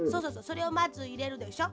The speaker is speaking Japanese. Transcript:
それをまずいれるでしょ。